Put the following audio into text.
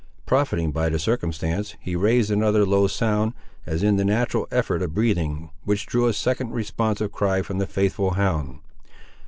Profiting by the circumstance, he raised another low sound, as in the natural effort of breathing, which drew a second responsive cry from the faithful hound.